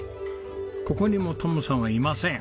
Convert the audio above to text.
ここにもトムさんはいません。